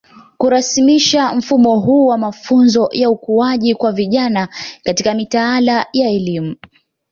Kurasmisha mfumo huu wa mafunzo ya ukuaji kwa vijana katika mitaala ya elimu